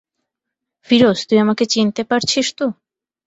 ফিরোজ, তুই আমাকে চিনতে পারছিস তো?